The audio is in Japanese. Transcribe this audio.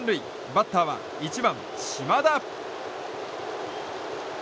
バッターは１番、島田。